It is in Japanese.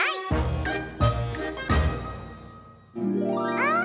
あ！